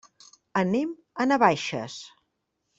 Anem a Navaixes.